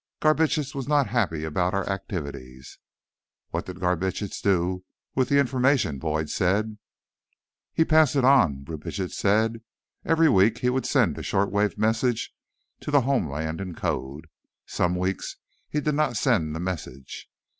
"Garbitsch was not happy about our activities." "What did Garbitsch do with the information?" Boyd said. "He passed it on," Brubitsch said. "Every week he would send a short wave message to the homeland, in code. Some weeks he did not send the message."